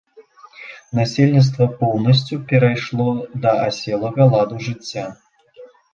Насельніцтва поўнасцю перайшло да аселага ладу жыцця.